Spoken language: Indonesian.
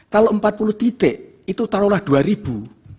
kalau empat puluh titik itu taruhlah dua ribu